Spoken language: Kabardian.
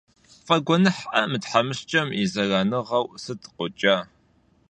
ПфӀэгуэныхькъэ, мы тхьэмыщкӀэм и зэраныгъэу сыт къокӀа?